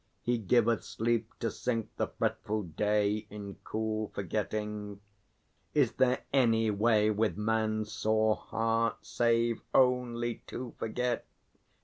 He giveth sleep to sink the fretful day In cool forgetting. Is there any way With man's sore heart, save only to forget?